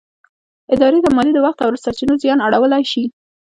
ادارې ته مالي، د وخت او سرچينو زیان اړولی شي.